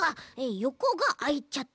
よこがあいちゃって。